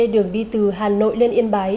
đường đi từ hà nội lên yên bái